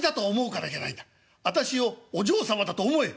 私をお嬢様だと思え」。